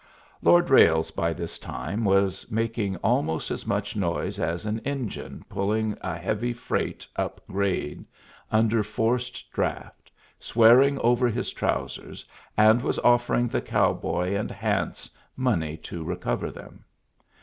Lord Ralles by this time was making almost as much noise as an engine pulling a heavy freight up grade under forced draft, swearing over his trousers, and was offering the cowboy and Hance money to recover them.